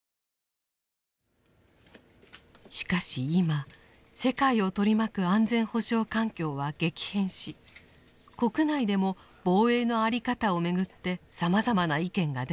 しかし今世界を取り巻く安全保障環境は激変し国内でも防衛の在り方をめぐってさまざまな意見が出ています。